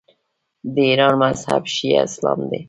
د ایران مذهب شیعه اسلام دی.